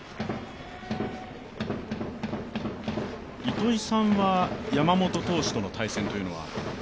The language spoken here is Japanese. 糸井さんは山本投手との対戦というのは？